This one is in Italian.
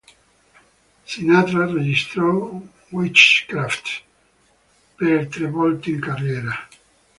Sinatra registrò "Witchcraft" per tre volte in carriera.